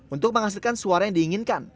untuk menghasilkan suara yang diinginkan